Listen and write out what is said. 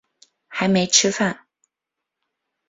还没吃饭